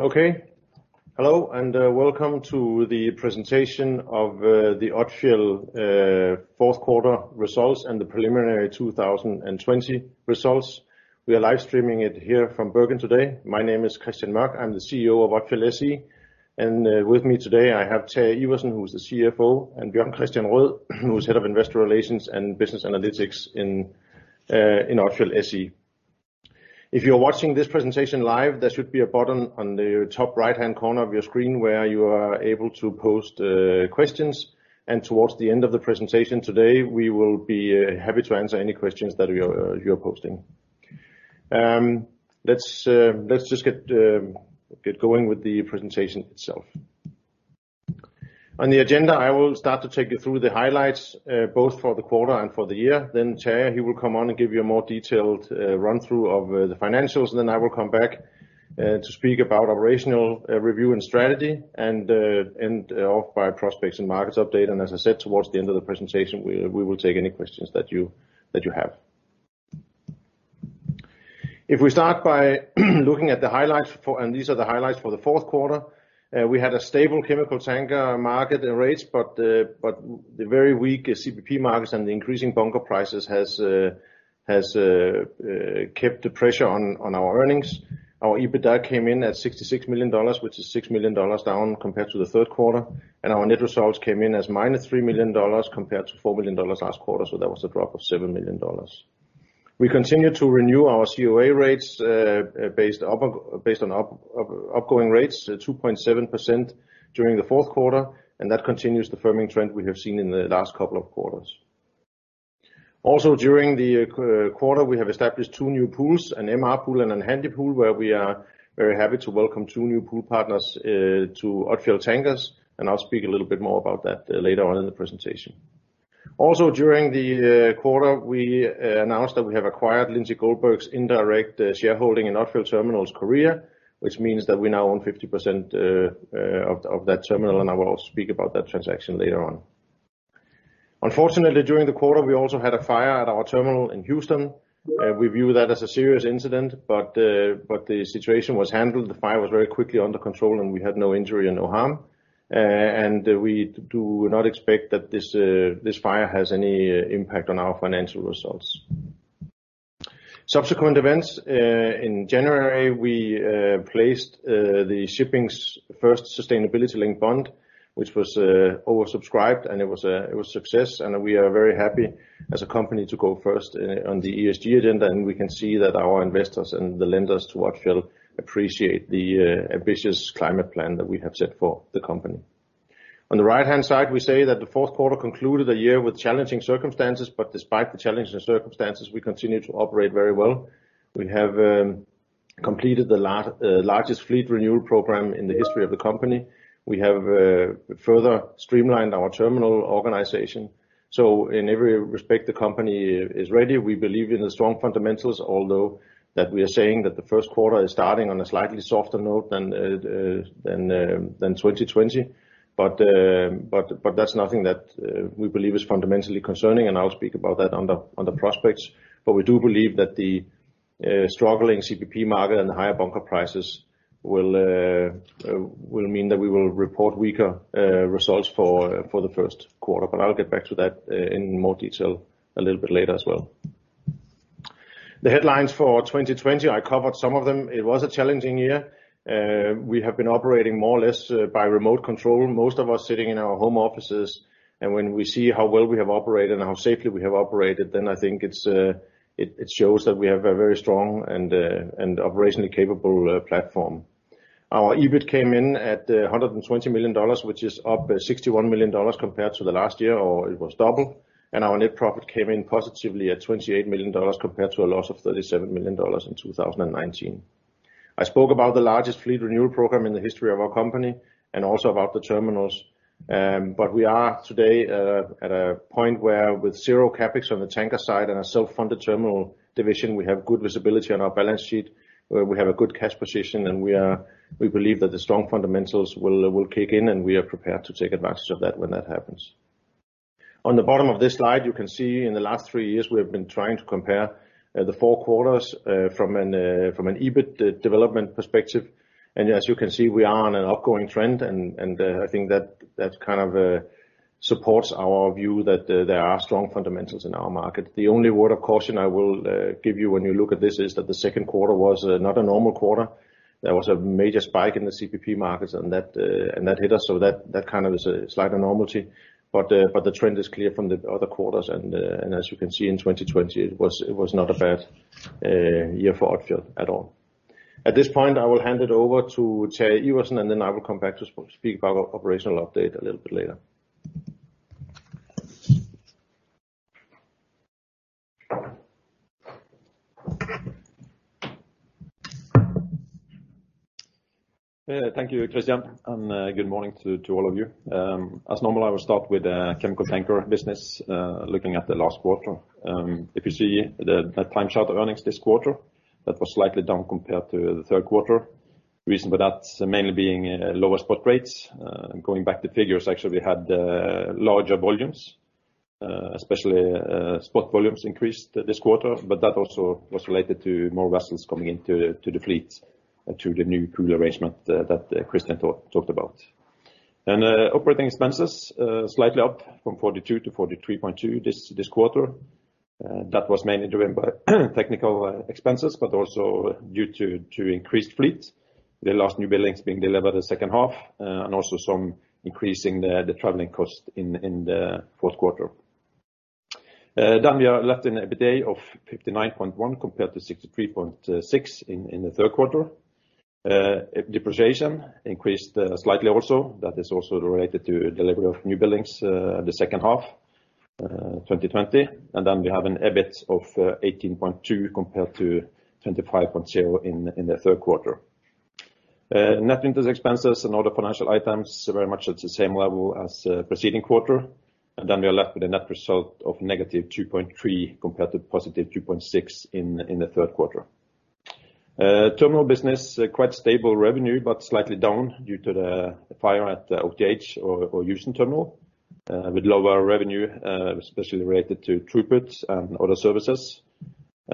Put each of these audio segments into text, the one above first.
Okay. Hello, and welcome to the presentation of the Odfjell fourth quarter results and the preliminary 2020 results. We are live streaming it here from Bergen today. My name is Kristian Mørch. I'm the CEO of Odfjell SE. With me today I have Terje Iversen, who is the CFO, and Bjørn Kristian Røed, who is Head of Investor Relations and Business Analytics in Odfjell SE. If you're watching this presentation live, there should be a button on the top right-hand corner of your screen where you are able to post questions, and towards the end of the presentation today, we will be happy to answer any questions that you are posting. Let's just get going with the presentation itself. On the agenda, I will start to take you through the highlights both for the quarter and for the year. Terje, he will come on and give you a more detailed run-through of the financials. I will come back to speak about operational review and strategy, and end off by prospects and markets update. As I said, towards the end of the presentation, we will take any questions that you have. If we start by looking at the highlights, and these are the highlights for the fourth quarter. We had a stable chemical tanker market and rates, but the very weak CPP markets and the increasing bunker prices has kept the pressure on our earnings. Our EBITDA came in at $66 million, which is $6 million down compared to the third quarter, and our net results came in as -$3 million compared to $4 million last quarter, so that was a drop of $7 million. We continue to renew our COA rates based on upgoing rates 2.7% during the fourth quarter. That continues the firming trend we have seen in the last couple of quarters. Also, during the quarter, we have established two new pools, an MR pool and a Handy pool, where we are very happy to welcome two new pool partners to Odfjell Tankers. I'll speak a little bit more about that later on in the presentation. Also, during the quarter, we announced that we have acquired Lindsay Goldberg's indirect shareholding in Odfjell Terminals Korea, which means that we now own 50% of that terminal. I will speak about that transaction later on. Unfortunately, during the quarter, we also had a fire at our terminal in Houston. We view that as a serious incident. The situation was handled. The fire was very quickly under control, and we had no injury and no harm. We do not expect that this fire has any impact on our financial results. Subsequent events. In January, we placed the shipping's first sustainability linked bond, which was oversubscribed, and it was a success. We are very happy as a company to go first on the ESG agenda, and we can see that our investors and the lenders to Odfjell appreciate the ambitious climate plan that we have set for the company. On the right-hand side, we say that the fourth quarter concluded a year with challenging circumstances, but despite the challenging circumstances, we continue to operate very well. We have completed the largest fleet renewal program in the history of the company. We have further streamlined our terminal organization. In every respect, the company is ready. We believe in the strong fundamentals, although that we are saying that the first quarter is starting on a slightly softer note than 2020. That's nothing that we believe is fundamentally concerning, and I'll speak about that on the prospects. We do believe that the struggling CPP market and the higher bunker prices will mean that we will report weaker results for the first quarter. I'll get back to that in more detail a little bit later as well. The headlines for 2020, I covered some of them. It was a challenging year. We have been operating more or less by remote control, most of us sitting in our home offices. When we see how well we have operated and how safely we have operated, then I think it shows that we have a very strong and operationally capable platform. Our EBIT came in at $120 million, which is up $61 million compared to the last year, or it was double, and our net profit came in positively at $28 million compared to a loss of $37 million in 2019. I spoke about the largest fleet renewal program in the history of our company and also about the terminals. We are today at a point where with zero CapEx on the tanker side and a self-funded terminal division, we have good visibility on our balance sheet. We have a good cash position, and we believe that the strong fundamentals will kick in, and we are prepared to take advantage of that when that happens. On the bottom of this slide, you can see in the last three years, we have been trying to compare the four quarters from an EBIT development perspective. As you can see, we are on an upgoing trend, and I think that kind of supports our view that there are strong fundamentals in our market. The only word of caution I will give you when you look at this is that the second quarter was not a normal quarter. There was a major spike in the CPP markets and that hit us, so that kind of is a slight abnormality. The trend is clear from the other quarters, and as you can see in 2020, it was not a bad year for Odfjell at all. At this point, I will hand it over to Terje Iversen, and then I will come back to speak about operational update a little bit later. Thank you, Kristian, good morning to all of you. As normal, I will start with chemical tanker business, looking at the last quarter. If you see the time charter earnings this quarter, that was slightly down compared to the third quarter. Reason for that's mainly being lower spot rates. Going back to figures, actually, we had larger volumes, especially spot volumes increased this quarter, but that also was related to more vessels coming into the fleet to the new pool arrangement that Kristian talked about. Operating expenses, slightly up from $42 to $43.2 this quarter. That was mainly driven by technical expenses, but also due to increased fleet. The last new buildings being delivered the second half, and also some increasing the traveling cost in the fourth quarter. We are left in EBITDA of $59.1 compared to $63.6 in the third quarter. Depreciation increased slightly also. That is also related to delivery of new buildings the second half 2020. We have an EBIT of $18.2 compared to $25.0 in the third quarter. Net interest expenses and other financial items are very much at the same level as preceding quarter. We are left with a net result of negative $2.3 compared to positive $2.6 in the third quarter. Terminal business, quite stable revenue, but slightly down due to the fire at OTH or Houston terminal with lower revenue, especially related to throughput and other services.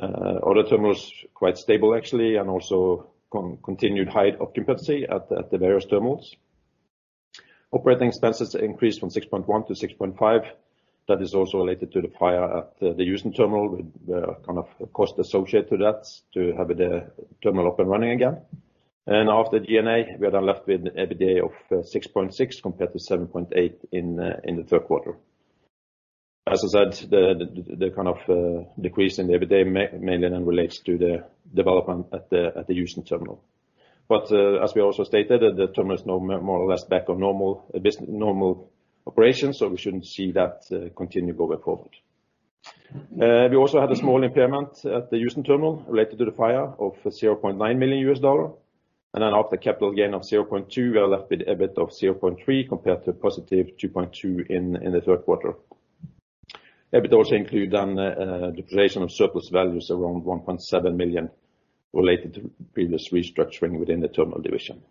Other terminals, quite stable, actually, and also continued high occupancy at the various terminals. Operating expenses increased from $6.1 to $6.5. That is also related to the fire at the Houston terminal with the cost associated to that to have the terminal up and running again. After G&A, we are then left with an EBITDA of $6.6 compared to $7.8 in the third quarter. As I said, the kind of decrease in the EBITDA mainly then relates to the development at the Houston terminal. As we also stated, the terminal is now more or less back on normal operations, we shouldn't see that continue going forward. We also had a small impairment at the Houston terminal related to the fire of $0.9 million. After capital gain of $0.2, we are left with EBIT of $0.3 compared to positive $2.2 in the third quarter. EBIT also include then depreciation of surplus values around $1.7 million related to previous restructuring within the terminal division.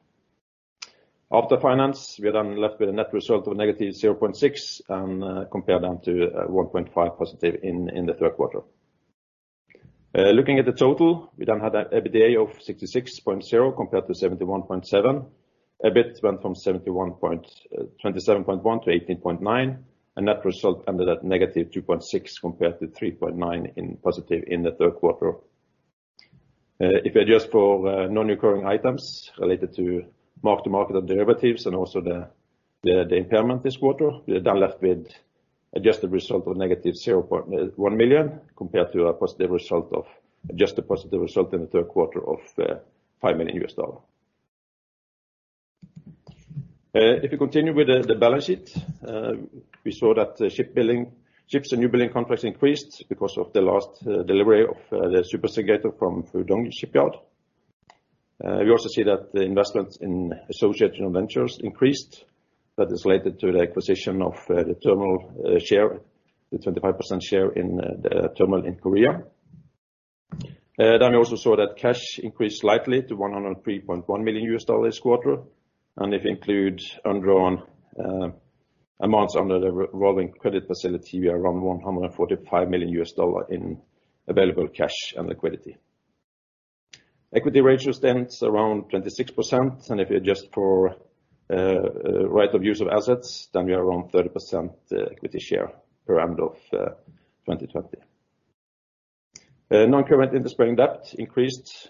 After finance, we are then left with a net result of negative $0.6 and compare that to $1.5 positive in the third quarter. Looking at the total, we had EBITDA of $66.0 compared to $71.7. EBIT went from $27.1 to $18.9, net result ended at negative $2.6 compared to $3.9 in positive in the third quarter. If you adjust for non-recurring items related to mark to market on derivatives and also the impairment this quarter, we are left with adjusted result of negative $1 million compared to Adjusted positive result in the third quarter of $5 million. If we continue with the balance sheet, we saw that shipbuilding, ships and new building contracts increased because of the last delivery of the super segregator from Hudong-Zhonghua shipyard. We also see that the investments in associated ventures increased. That is related to the acquisition of the terminal share, the 25% share in the terminal in Korea. We also saw that cash increased slightly to $103.1 million this quarter. If you include undrawn amounts under the revolving credit facility, we are around $145 million in available cash and liquidity. Equity ratio stands around 26%, and if you adjust for right of use of assets, then we are around 30% equity share per end of 2020. Non-current interest-bearing debt increased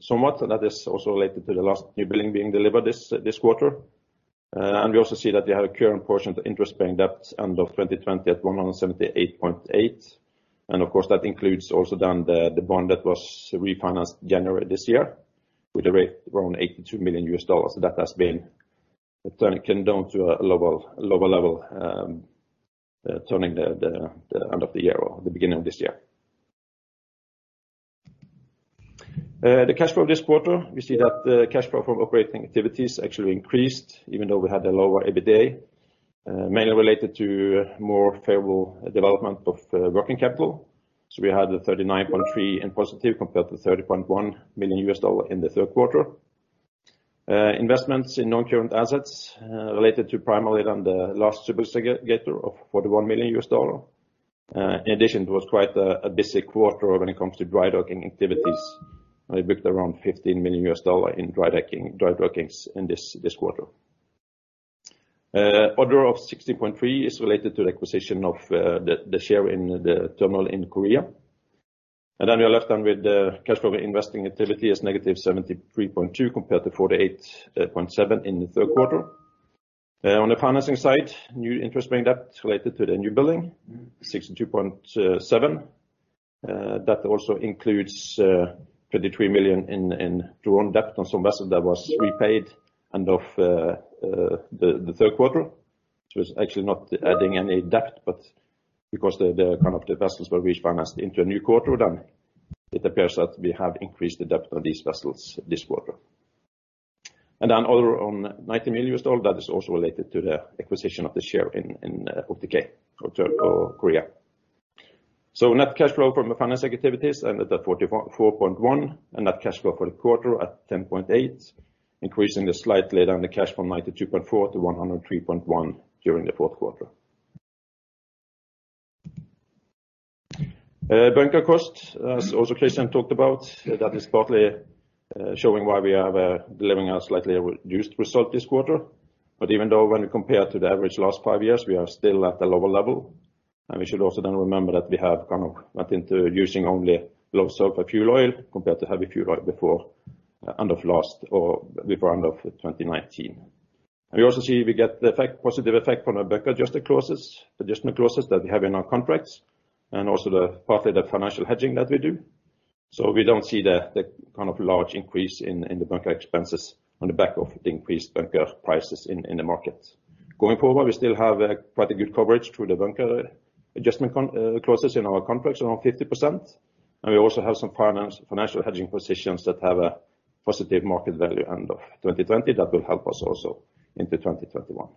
somewhat, and that is also related to the last new building being delivered this quarter. We also see that we have a current portion to interest-bearing debt end of 2020 at $178.8 million. Of course, that includes also then the bond that was refinanced January this year with around $82 million. That has been turned down to a lower level turning the end of the year or the beginning of this year. The cash flow this quarter, we see that the cash flow from operating activities actually increased even though we had a lower EBITDA, mainly related to more favorable development of working capital. We had a $39.3 in positive compared to $30.1 million in the third quarter. Investments in non-current assets related to primarily then the last super segregator of $41 million. In addition, it was quite a busy quarter when it comes to dry docking activities. We booked around $15 million in dry dockings in this quarter. Other of $16.3 is related to the acquisition of the share in the terminal in Korea. We are left then with the cash flow investing activity as negative $73.2 compared to $48.7 in the third quarter. On the financing side, new interest-bearing debt related to the new building, $62.7. That also includes $33 million in drawn debt on some vessel that was repaid end of the third quarter, which was actually not adding any debt, but because the kind of the vessels were refinanced into a new quarter, it appears that we have increased the debt on these vessels this quarter. Other on $90 million, that is also related to the acquisition of the share in OTK or Korea. Net cash flow from the finance activities ended at $44.1 and net cash flow for the quarter at $10.8, increasing this slightly down the cash from $92.4 to $103.1 during the fourth quarter. Bunker costs, as also Kristian talked about, that is partly showing why we are delivering a slightly reduced result this quarter. Even though when we compare to the average last five years, we are still at a lower level, and we should also then remember that we have gone into using only low sulfur fuel oil compared to heavy fuel oil before end of 2019. We also see we get the positive effect from our bunker adjustment clauses that we have in our contracts and also partly the financial hedging that we do. We don't see the large increase in the bunker expenses on the back of the increased bunker prices in the market. Going forward, we still have quite a good coverage through the bunker adjustment clauses in our contracts, around 50%. We also have some financial hedging positions that have a positive market value end of 2020 that will help us also into 2021.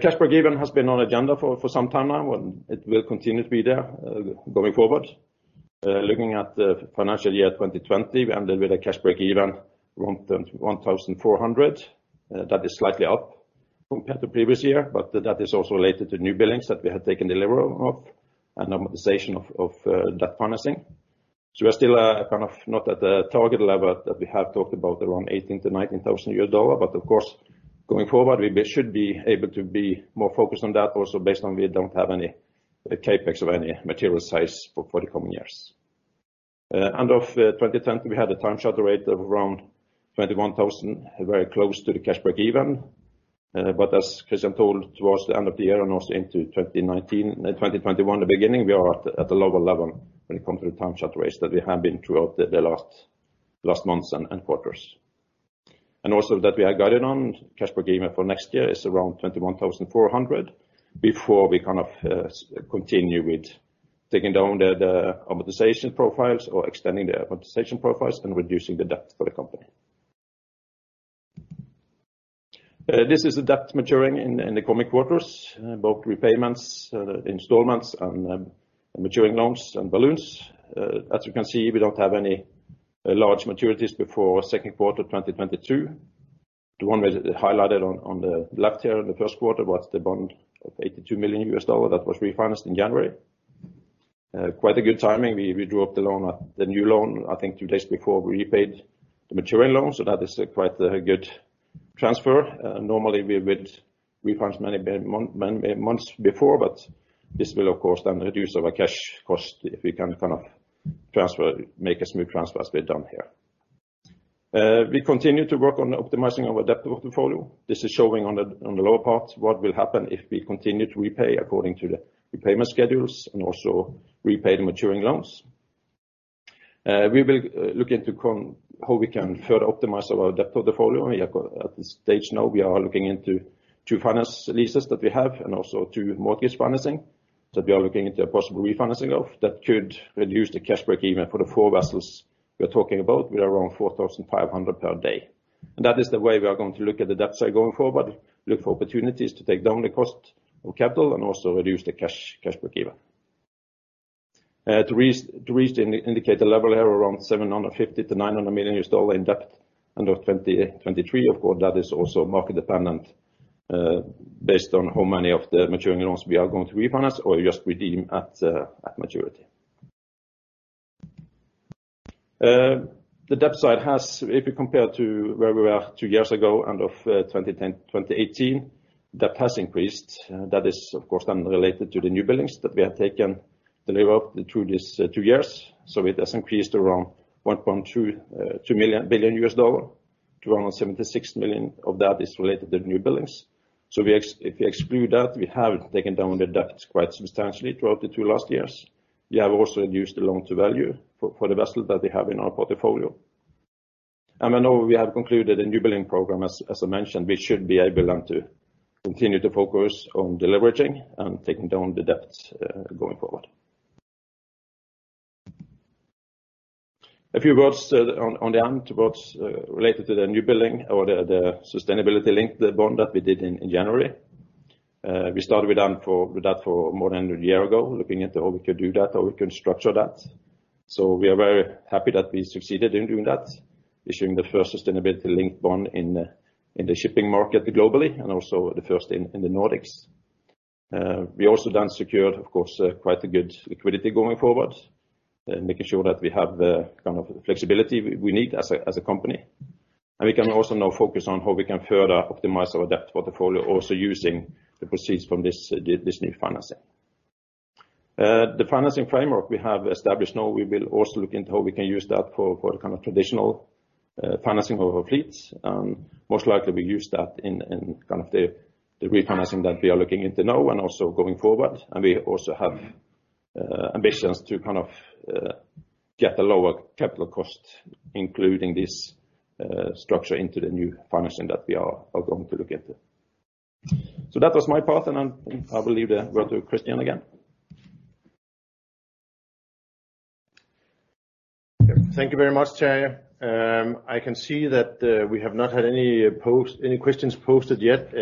Cash break-even has been on agenda for some time now, and it will continue to be there going forward. Looking at the financial year 2020, we ended with a cash break-even around $1,400. That is slightly up compared to previous year, but that is also related to newbuildings that we have taken delivery of and optimization of that financing. We are still not at the target level that we have talked about, around $18,000-$19,000. Of course, going forward, we should be able to be more focused on that also based on we don't have any CapEx of any material size for the coming years. End of 2020, we had a time charter rate of around $21,000, very close to the cash break-even. As Kristian told towards the end of the year and also into 2021, the beginning, we are at a lower level when it comes to the time charter rates that we have been throughout the last months and quarters. Also that we have guided on cash break-even for next year is around 21,400 before we continue with taking down the optimization profiles or extending the optimization profiles and reducing the debt for the company. This is the debt maturing in the coming quarters, both repayments, installments, and maturing loans and balloons. As you can see, we don't have any large maturities before second quarter 2022. The one we highlighted on the left here in the first quarter was the bond of $82 million that was refinanced in January. Quite a good timing. We drew up the new loan, I think two days before we repaid the maturing loan, so that is quite a good transfer. Normally we would refinance many months before, but this will, of course, then reduce our cash cost if we can make a smooth transfer as we've done here. We continue to work on optimizing our debt portfolio. This is showing on the lower part what will happen if we continue to repay according to the repayment schedules and also repay the maturing loans. We will look into how we can further optimize our debt portfolio. At this stage now, we are looking into two finance leases that we have and also two mortgage financing that we are looking into a possible refinancing of. That could reduce the cash break-even for the four vessels we are talking about with around $4,500 per day. That is the way we are going to look at the debt side going forward, look for opportunities to take down the cost of capital and also reduce the cash break-even. To reach the indicator level here around $750 million-$900 million in debt end of 2023, of course, that is also market dependent based on how many of the maturing loans we are going to refinance or just redeem at maturity. The debt side has, if you compare to where we were two years ago, end of 2018, debt has increased. That is, of course, related to the newbuildings that we have taken delivery of through these two years. It has increased around $1.2 billion. $276 million of that is related to newbuildings. If you exclude that, we have taken down the debt quite substantially throughout the two last years. We have also reduced the loan-to-value for the vessels that we have in our portfolio. Now we have concluded a newbuilding program, as I mentioned, we should be able now to continue to focus on deleveraging and taking down the debts going forward. A few words on the end related to the newbuilding or the sustainability-linked bond that we did in January. We started with that for more than a year ago, looking at how we could do that, how we could structure that. We are very happy that we succeeded in doing that, issuing the first sustainability-linked bond in the shipping market globally and also the first in the Nordics. We also secured, of course, quite a good liquidity going forward, making sure that we have the kind of flexibility we need as a company. We can also now focus on how we can further optimize our debt portfolio also using the proceeds from this new financing. The financing framework we have established now, we will also look into how we can use that for traditional financing of our fleets. Most likely we use that in the refinancing that we are looking into now and also going forward. We also have ambitions to get a lower capital cost, including this structure into the new financing that we are going to look at. That was my part and I will leave the word to Kristian again. Thank you very much, Terje. I can see that we have not had any questions posted yet.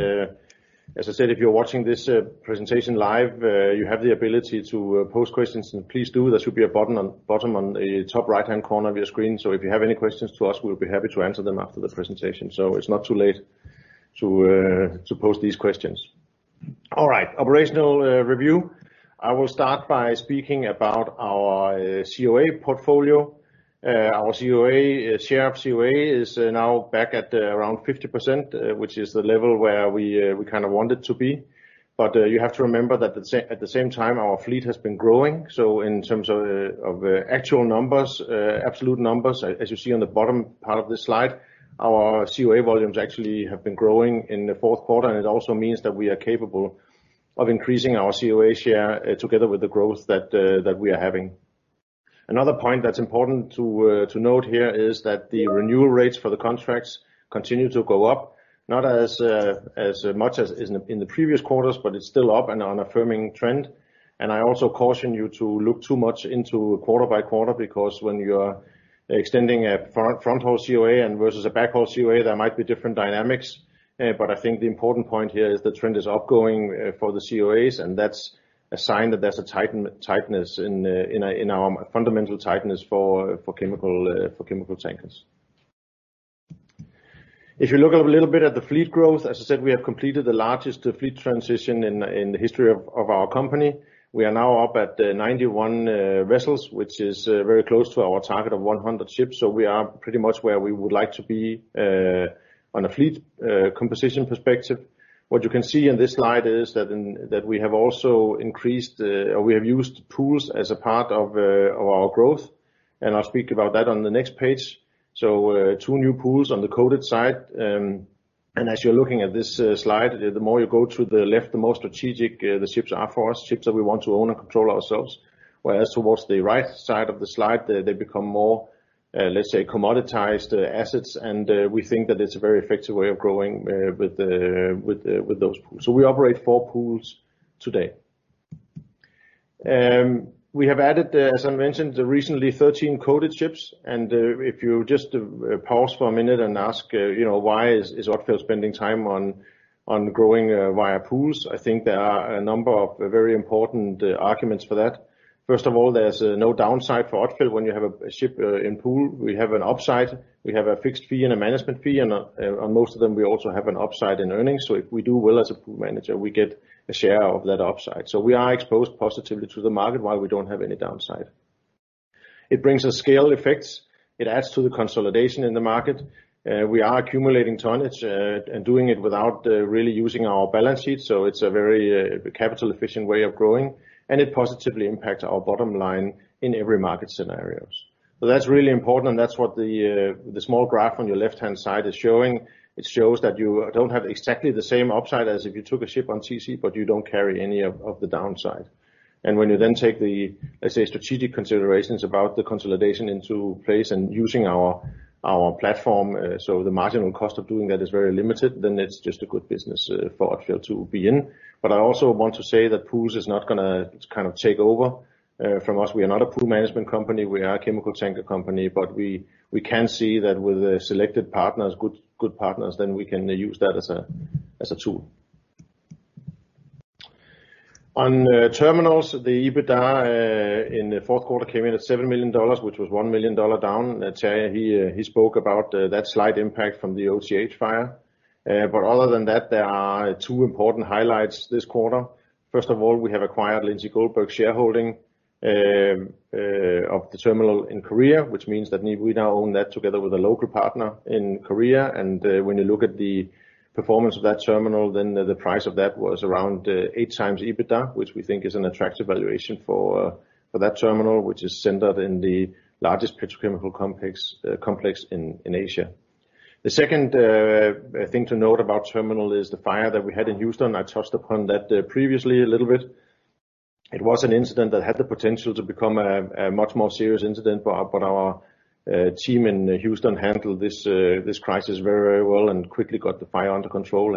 As I said, if you're watching this presentation live, you have the ability to post questions and please do. There should be a button on the top right-hand corner of your screen. If you have any questions to us, we'll be happy to answer them after the presentation. It's not too late to post these questions. All right. Operational review. I will start by speaking about our COA portfolio. Our share of COA is now back at around 50%, which is the level where we kind of want it to be. You have to remember that at the same time, our fleet has been growing. In terms of absolute numbers, as you see on the bottom part of this slide, our COA volumes actually have been growing in the fourth quarter, it also means that we are capable of increasing our COA share together with the growth that we are having. Another point that's important to note here is that the renewal rates for the contracts continue to go up, not as much as in the previous quarters, but it's still up and on a firming trend. I also caution you to look too much into quarter by quarter, because when you are extending a front-haul COA and versus a backhaul COA, there might be different dynamics. I think the important point here is the trend is upgoing for the COAs, and that's a sign that there's a fundamental tightness for chemical tankers. If you look a little bit at the fleet growth, as I said, we have completed the largest fleet transition in the history of our company. We are now up at 91 vessels, which is very close to our target of 100 ships. We are pretty much where we would like to be on a fleet composition perspective. What you can see in this slide is that we have used pools as a part of our growth, I'll speak about that on the next page. Two new pools on the coated side. As you're looking at this slide, the more you go to the left, the more strategic the ships are for us, ships that we want to own and control ourselves. Whereas towards the right side of the slide, they become more, let's say, commoditized assets, and we think that it's a very effective way of growing with those pools. We operate four pools today. We have added, as I mentioned, recently 13 coated ships. If you just pause for a minute and ask why is Odfjell spending time on growing via pools? I think there are a number of very important arguments for that. First of all, there's no downside for Odfjell when you have a ship in pool. We have an upside. We have a fixed fee and a management fee, and on most of them, we also have an upside in earnings. If we do well as a pool manager, we get a share of that upside. We are exposed positively to the market while we don't have any downside. It brings us scale effects. It adds to the consolidation in the market. We are accumulating tonnage and doing it without really using our balance sheet, so it's a very capital efficient way of growing, and it positively impacts our bottom line in every market scenarios. That's really important, and that's what the small graph on your left-hand side is showing. It shows that you don't have exactly the same upside as if you took a ship on TC, but you don't carry any of the downside. When you then take the, let's say, strategic considerations about the consolidation into place and using our platform, so the marginal cost of doing that is very limited, then it's just a good business for Odfjell to be in. I also want to say that pools is not going to kind of take over from us. We are not a pool management company. We are a chemical tanker company. We can see that with selected partners, good partners, then we can use that as a tool. On terminals, the EBITDA in the fourth quarter came in at $7 million, which was $1 million down. Terje, he spoke about that slight impact from the OTH fire. Other than that, there are two important highlights this quarter. First of all, we have acquired Lindsay Goldberg's shareholding of the terminal in Korea, which means that we now own that together with a local partner in Korea. When you look at the performance of that terminal, then the price of that was around 8x EBITDA, which we think is an attractive valuation for that terminal, which is centered in the largest petrochemical complex in Asia. The second thing to note about terminal is the fire that we had in Houston. I touched upon that previously a little bit. It was an incident that had the potential to become a much more serious incident, but our team in Houston handled this crisis very, very well and quickly got the fire under control.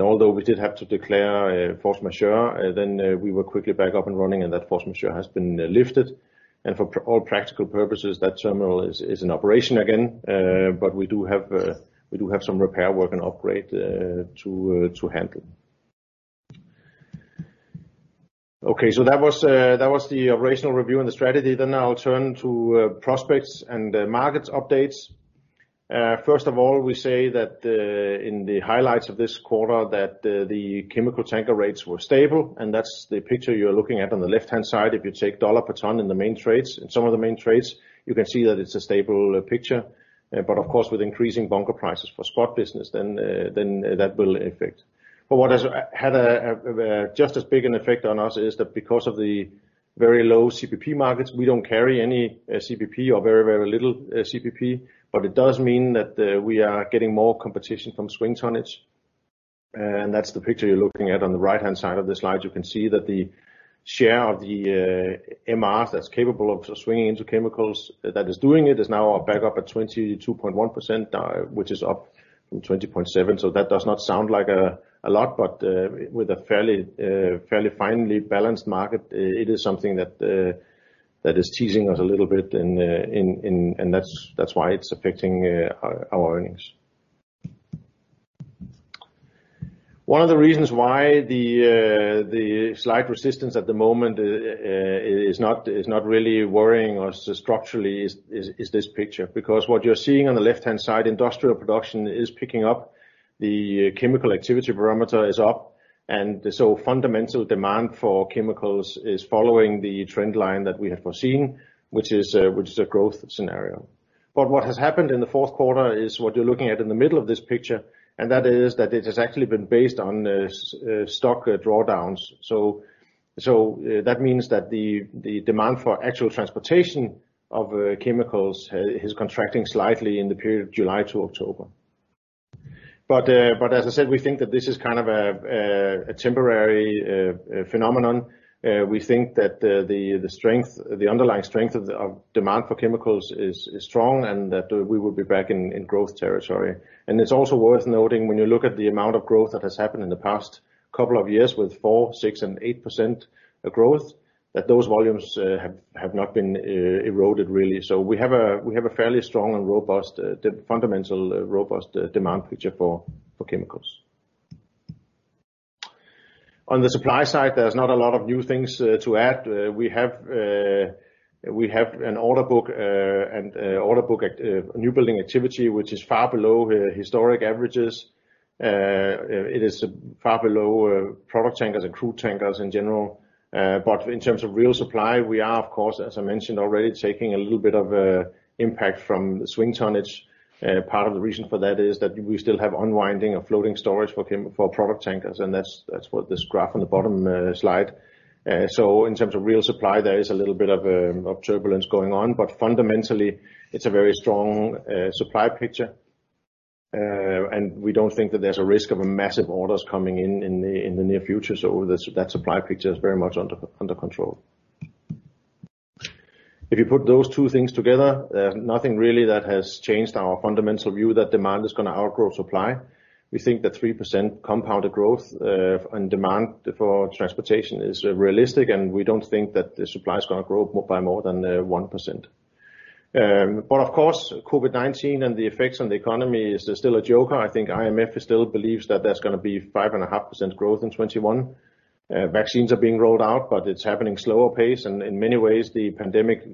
Although we did have to declare force majeure, then we were quickly back up and running and that force majeure has been lifted. For all practical purposes, that terminal is in operation again. We do have some repair work and operate to handle. Okay. That was the operational review and the strategy. I'll turn to prospects and markets updates. First of all, we say that in the highlights of this quarter that the chemical tanker rates were stable, and that's the picture you're looking at on the left-hand side. If you take dollar per ton in some of the main trades, you can see that it's a stable picture. Of course, with increasing bunker prices for spot business, then that will affect. What has had just as big an effect on us is that because of the very low CPP markets, we don't carry any CPP or very, very little CPP, but it does mean that we are getting more competition from swing tonnage. That's the picture you're looking at on the right-hand side of the slide. You can see that the share of the MR that's capable of swinging into chemicals that is doing it is now back up at 22.1%, which is up from 20.7. That does not sound like a lot, but with a fairly finely balanced market, it is something that is teasing us a little bit, and that's why it's affecting our earnings. One of the reasons why the slight resistance at the moment is not really worrying us structurally is this picture. Because what you're seeing on the left-hand side, industrial production is picking up, the chemical activity barometer is up, and so fundamental demand for chemicals is following the trend line that we have foreseen, which is a growth scenario. What has happened in the fourth quarter is what you're looking at in the middle of this picture, and that is that it has actually been based on stock drawdowns. That means that the demand for actual transportation of chemicals is contracting slightly in the period of July to October. As I said, we think that this is a temporary phenomenon. We think that the underlying strength of demand for chemicals is strong and that we will be back in growth territory. It's also worth noting, when you look at the amount of growth that has happened in the past couple of years with 4%, 6%, and 8% growth, that those volumes have not been eroded really. We have a fairly strong and fundamental robust demand picture for chemicals. On the supply side, there's not a lot of new things to add. We have an order book new building activity which is far below historic averages. It is far below product tankers and crude tankers in general. In terms of real supply, we are of course, as I mentioned already, taking a little bit of impact from swing tonnage. Part of the reason for that is that we still have unwinding of floating storage for product tankers, and that's what this graph on the bottom slide. In terms of real supply, there is a little bit of turbulence going on, but fundamentally, it's a very strong supply picture. We don't think that there's a risk of massive orders coming in in the near future. That supply picture is very much under control. If you put those two things together, nothing really that has changed our fundamental view that demand is going to outgrow supply. We think that 3% compounded growth on demand for transportation is realistic, and we don't think that the supply is going to grow by more than 1%. Of course, COVID-19 and the effects on the economy is still a joker. I think IMF still believes that there's going to be 5.5% growth in 2021. Vaccines are being rolled out, it's happening slower pace. In many ways, the pandemic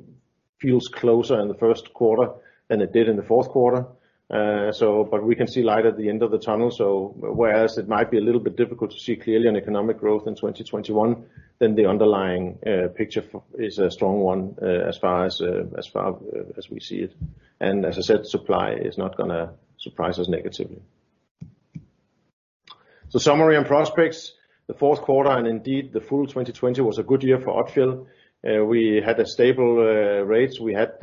feels closer in the first quarter than it did in the fourth quarter. We can see light at the end of the tunnel. Whereas it might be a little bit difficult to see clearly on economic growth in 2021, the underlying picture is a strong one, as far as we see it. As I said, supply is not going to surprise us negatively. Summary and prospects. The fourth quarter, and indeed the full 2020 was a good year for Odfjell. We had stable rates. We had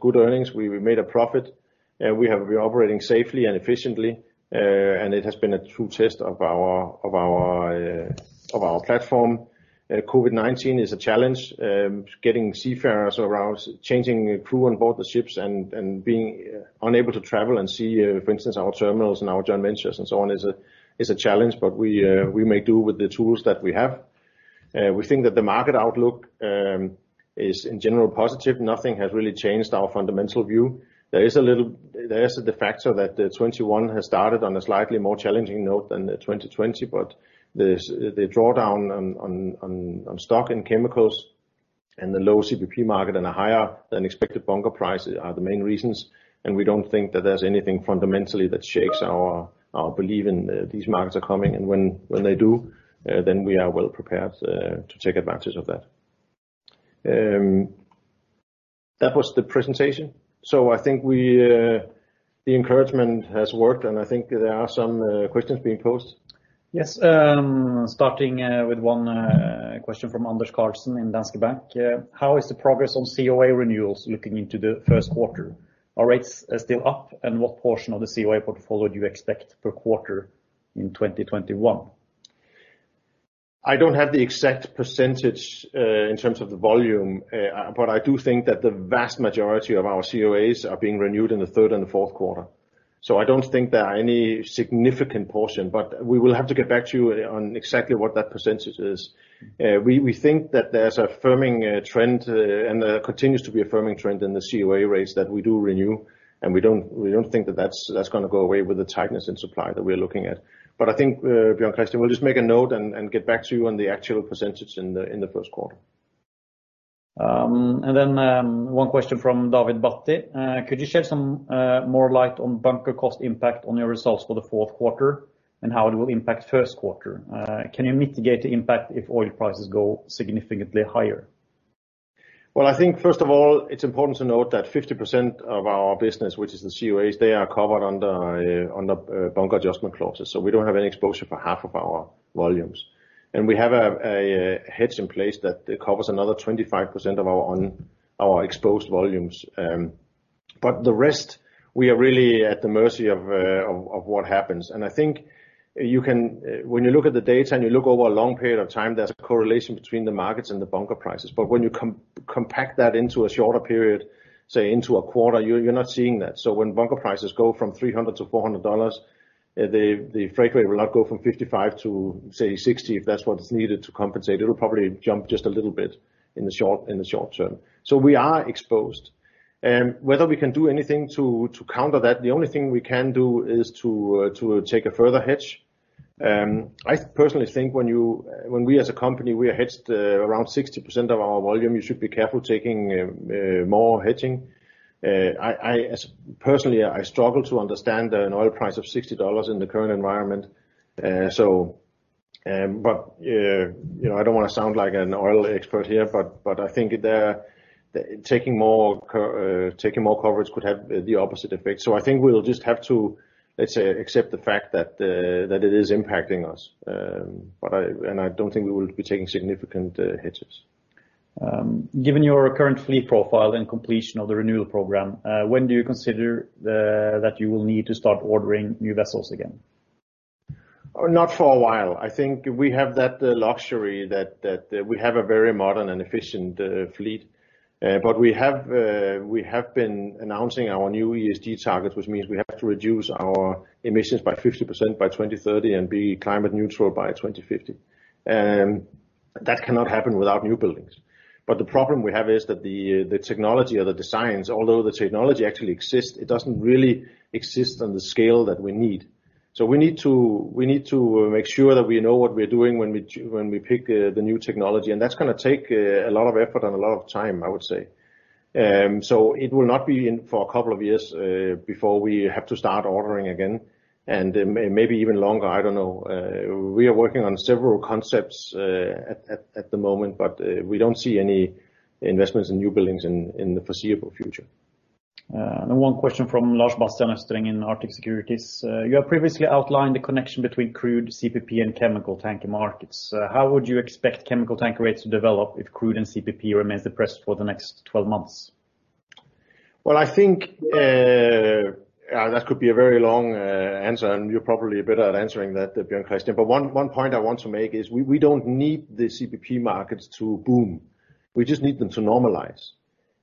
good earnings. We made a profit. We have been operating safely and efficiently, it has been a true test of our platform. COVID-19 is a challenge. Getting seafarers around, changing crew on board the ships and being unable to travel and see, for instance, our terminals and our joint ventures and so on is a challenge. We make do with the tools that we have. We think that the market outlook is, in general, positive. Nothing has really changed our fundamental view. There is the factor that 2021 has started on a slightly more challenging note than 2020. The drawdown on stock and chemicals and the low CPP market and the higher-than-expected bunker prices are the main reasons. We don't think that there's anything fundamentally that shakes our belief in these markets are coming. When they do, then we are well prepared to take advantage of that. That was the presentation. I think the encouragement has worked, and I think there are some questions being posed. Yes. Starting with one question from Anders Karlsen in Danske Bank. How is the progress on COA renewals looking into the first quarter? Are rates still up? What portion of the COA portfolio do you expect per quarter in 2021? I don't have the exact % in terms of the volume. I do think that the vast majority of our COAs are being renewed in the third and the fourth quarter. I don't think there are any significant portion. We will have to get back to you on exactly what that % is. We think that there's a firming trend, and there continues to be a firming trend in the COA rates that we do renew, and we don't think that that's going to go away with the tightness in supply that we're looking at. I think, Bjørn Kristian, we'll just make a note and get back to you on the actual % in the first quarter. One question from David Bhatti. Could you shed some more light on bunker cost impact on your results for the fourth quarter and how it will impact first quarter? Can you mitigate the impact if oil prices go significantly higher? Well, I think, first of all, it's important to note that 50% of our business, which is the COAs, they are covered under bunker adjustment clauses. We don't have any exposure for half of our volumes. We have a hedge in place that covers another 25% of our exposed volumes. The rest, we are really at the mercy of what happens. I think when you look at the data and you look over a long period of time, there's a correlation between the markets and the bunker prices. When you compact that into a shorter period, say into a quarter, you're not seeing that. When bunker prices go from $300 to $400, the freight rate will not go from $55 to $60, if that's what is needed to compensate. It'll probably jump just a little bit in the short term. We are exposed. Whether we can do anything to counter that, the only thing we can do is to take a further hedge. I personally think when we as a company, we are hedged around 60% of our volume. You should be careful taking more hedging. Personally, I struggle to understand an oil price of $60 in the current environment. I don't want to sound like an oil expert here, but I think taking more coverage could have the opposite effect. I think we'll just have to, let's say, accept the fact that it is impacting us. I don't think we will be taking significant hedges. Given your current fleet profile and completion of the renewal program, when do you consider that you will need to start ordering new vessels again? Not for a while. I think we have that luxury that we have a very modern and efficient fleet. We have been announcing our new ESG targets, which means we have to reduce our emissions by 50% by 2030 and be climate neutral by 2050. That cannot happen without new buildings. The problem we have is that the technology or the designs, although the technology actually exists, it doesn't really exist on the scale that we need. We need to make sure that we know what we're doing when we pick the new technology, and that's going to take a lot of effort and a lot of time, I would say. It will not be in for a couple of years, before we have to start ordering again, and maybe even longer, I don't know. We are working on several concepts at the moment, but we don't see any investments in new buildings in the foreseeable future. One question from Lars Bastian Østereng in Arctic Securities. You have previously outlined the connection between crude, CPP, and chemical tanker markets. How would you expect chemical tanker rates to develop if crude and CPP remains depressed for the next 12 months? Well, I think that could be a very long answer, and you're probably better at answering that, Bjørn Kristian. One point I want to make is we don't need the CPP markets to boom. We just need them to normalize.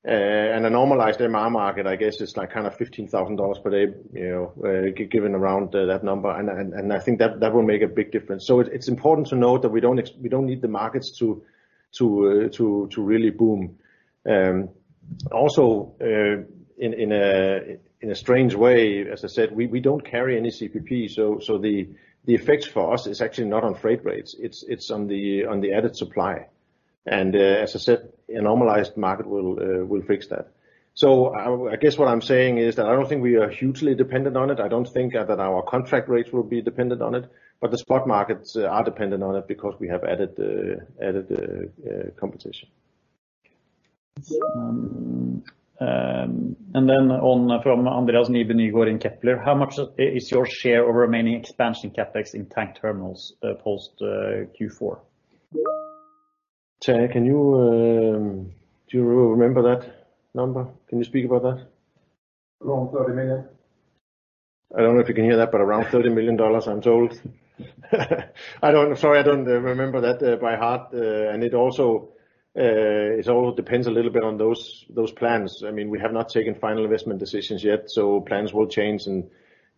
A normalized MR market, I guess is $15,000 per day, given around that number. I think that will make a big difference. It's important to note that we don't need the markets to really boom. Also, in a strange way, as I said, we don't carry any CPP, so the effects for us is actually not on freight rates, it's on the added supply. As I said, a normalized market will fix that. I guess what I'm saying is that I don't think we are hugely dependent on it. I don't think that our contract rates will be dependent on it. The spot markets are dependent on it because we have added competition. From Andreas Nibe Nygård in Kepler. How much is your share of remaining expansion CapEx in tank terminals, post Q4? Chad, do you remember that number? Can you speak about that? Around $30 million. I don't know if you can hear that, around $30 million, I'm told. Sorry, I don't remember that by heart. It also depends a little bit on those plans. We have not taken final investment decisions yet, so plans will change,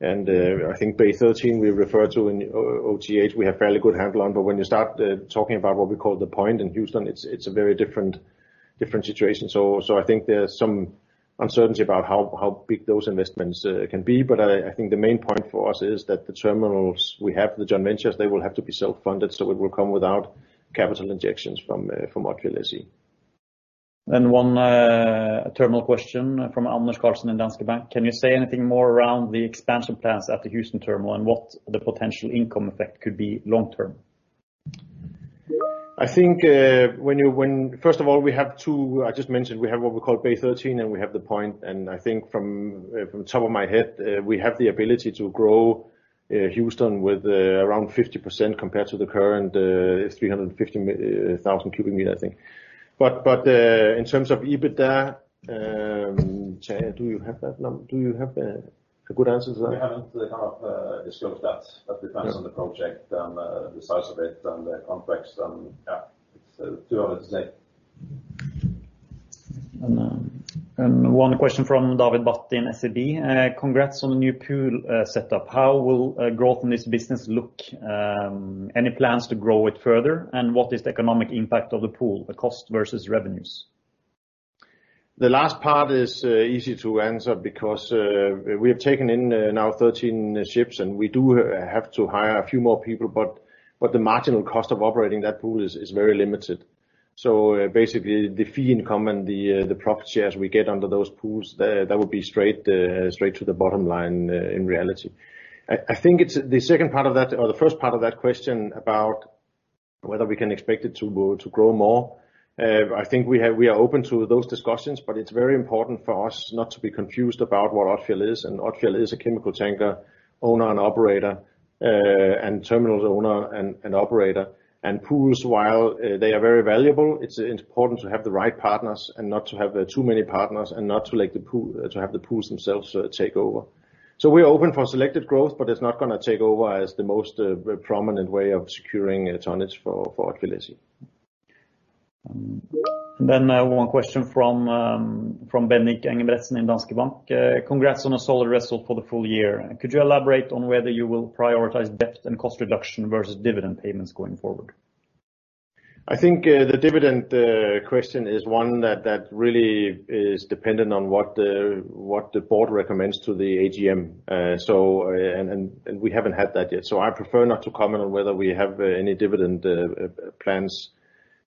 and I think Bay 13 we refer to in OTH, we have fairly good handle on, but when you start talking about what we call the Point in Houston, it's a very different situation. I think there's some uncertainty about how big those investments can be. I think the main point for us is that the terminals we have, the joint ventures, they will have to be self-funded, so it will come without capital injections from Odfjell SE. One terminal question from Anders Karlsen in Danske Bank. "Can you say anything more around the expansion plans at the Houston terminal and what the potential income effect could be long term? We have two, I just mentioned, we have what we call Bay 13, and we have the Point, and I think from top of my head, we have the ability to grow Houston with around 50% compared to the current 350,000 cubic meter, I think. In terms of EBITDA, Chad, do you have that number? Do you have a good answer to that? We haven't disclosed that. That depends on the project and the size of it and the context. It's too early to say. One question from David Bhatti in SEB. "Congrats on the new pool set up. How will growth in this business look? Any plans to grow it further? What is the economic impact of the pool, the cost versus revenues? The last part is easy to answer because we have taken in now 13 ships, and we do have to hire a few more people, but the marginal cost of operating that pool is very limited. Basically, the fee income and the profit shares we get under those pools, that would be straight to the bottom line in reality. I think it's the second part of that or the first part of that question about whether we can expect it to grow more. I think we are open to those discussions, but it's very important for us not to be confused about what Odfjell is, and Odfjell is a chemical tanker owner and operator, and terminals owner and operator. Pools, while they are very valuable, it's important to have the right partners and not to have too many partners and not to have the pools themselves take over. We are open for selective growth, but it's not going to take over as the most prominent way of securing tonnage for Odfjell SE. One question from Ben Nick in Danske Bank. "Congrats on a solid result for the full year. Could you elaborate on whether you will prioritize debt and cost reduction versus dividend payments going forward? I think the dividend question is one that really is dependent on what the board recommends to the AGM. We haven't had that yet. I prefer not to comment on whether we have any dividend plans.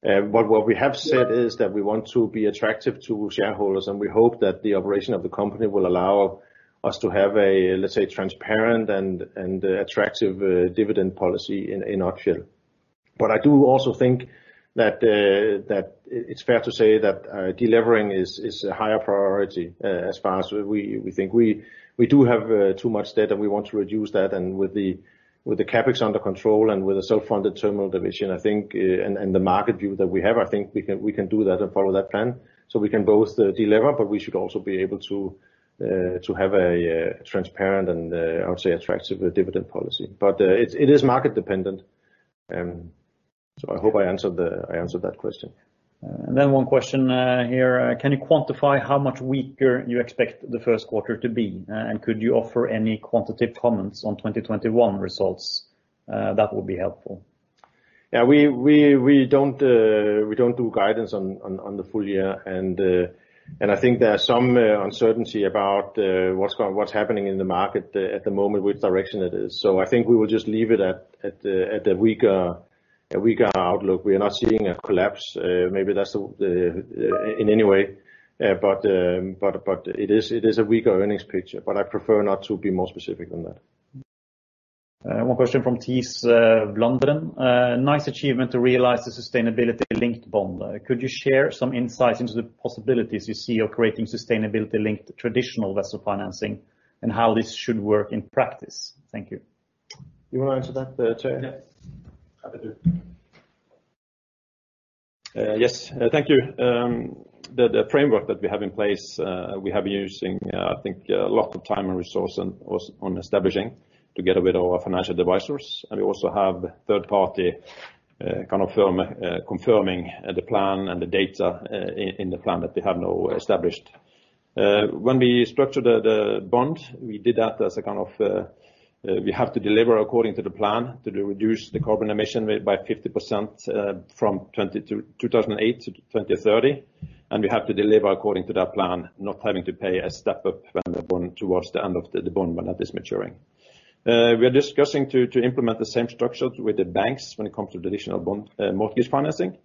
What we have said is that we want to be attractive to shareholders, and we hope that the operation of the company will allow us to have a, let's say, transparent and attractive dividend policy in Odfjell. I do also think that it's fair to say that deleveraging is a higher priority, as far as we think. We do have too much debt. We want to reduce that. With the CapEx under control and with the self-funded terminal division, and the market view that we have, I think we can do that and follow that plan. We can both deliver, but we should also be able to have a transparent and, I would say, attractive dividend policy. It is market dependent. I hope I answered that question. One question here. Can you quantify how much weaker you expect the first quarter to be? Could you offer any quantitative comments on 2021 results? That would be helpful. Yeah. We don't do guidance on the full year, and I think there are some uncertainty about what's happening in the market at the moment, which direction it is. I think we will just leave it at the weaker outlook. We are not seeing a collapse, maybe that's in any way. It is a weaker earnings picture, but I prefer not to be more specific than that. One question from Thijs Berkelder. Nice achievement to realize the sustainability-linked bond. Could you share some insights into the possibilities you see of creating sustainability-linked traditional vessel financing and how this should work in practice? Thank you. You want to answer that, Terje? Yes. Happy to. Yes. Thank you. The framework that we have in place, we have been using, I think, a lot of time and resource on establishing together with our financial advisors. We also have third-party confirming the plan and the data in the plan that we have now established. When we structured the bond, we did that as a kind of, we have to deliver according to the plan to reduce the carbon emission rate by 50% from 2008 to 2030. We have to deliver according to that plan, not having to pay a step-up when the bond towards the end of the bond, when that is maturing. We are discussing to implement the same structure with the banks when it comes to traditional bond mortgage financing.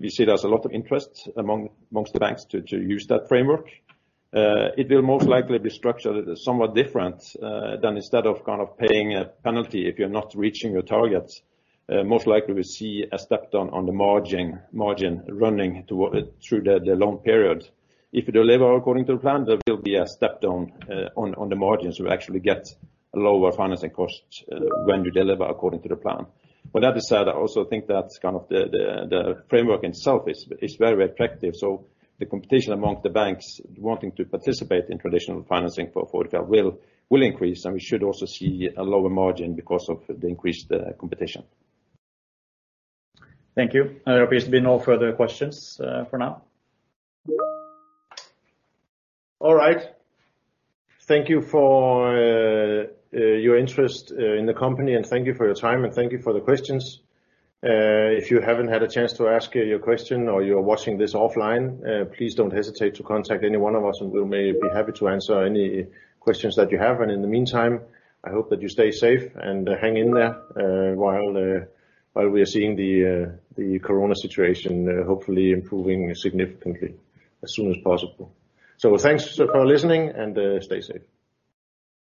We see there's a lot of interest amongst the banks to use that framework. It will most likely be structured somewhat different than instead of paying a penalty if you're not reaching your targets. Most likely, we see a step down on the margin running through the long period. If we deliver according to the plan, there will be a step down on the margins. We actually get lower financing costs when you deliver according to the plan. That said, I also think that's kind of the framework itself is very attractive. The competition amongst the banks wanting to participate in traditional financing for Odfjell will increase, and we should also see a lower margin because of the increased competition. Thank you. There appears to be no further questions for now. All right. Thank you for your interest in the company, and thank you for your time, and thank you for the questions. If you haven't had a chance to ask your question or you're watching this offline, please don't hesitate to contact any one of us, and we'll be happy to answer any questions that you have. In the meantime, I hope that you stay safe and hang in there while we are seeing the COVID-19 situation hopefully improving significantly as soon as possible. Thanks for listening, and stay safe.